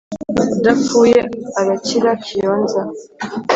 Udapfuye arakira Kiyonza